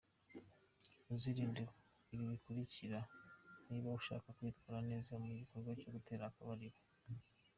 Uzirinde ibi bikurikira niba ushaka kwitwara neza mu gikorwa cyo gutera akabariro.